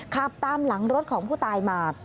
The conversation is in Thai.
ขับตามหลังรถของผู้ตายมา